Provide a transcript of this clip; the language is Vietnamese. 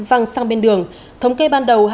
văng sang bên đường thống kê ban đầu